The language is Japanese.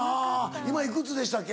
今いくつでしたっけ？